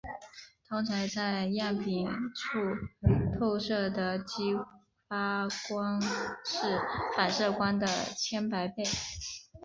通常在样品处透射的激发光是反射光的千百倍。